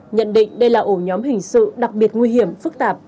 nhận định đây là ổ nhóm hình sự đặc biệt nguy hiểm phức tạp